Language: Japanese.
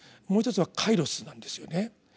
もう一つは「カイロス」なんですよね。